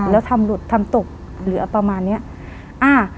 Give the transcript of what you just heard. แล้วทำหลุดทำตกเหลือประมาณเนี้ยอ่า